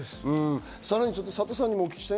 さらにサトさんにもお聞きしたい。